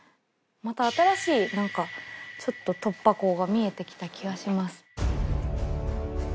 また新しいなんかちょっと突破口が見えてきた気がします